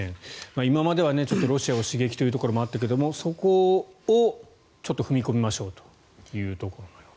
今まではロシアを刺激というところもあったけどそこをちょっと踏み込みましょうというところのようです。